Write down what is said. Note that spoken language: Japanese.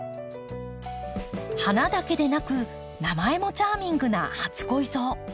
花だけでなく名前もチャーミングな初恋草。